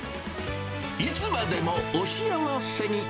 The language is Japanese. いつまでもお幸せに。